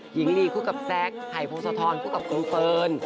หญิงลีคู่กับแซกไห่โภสธรคู่กับครูเติร์น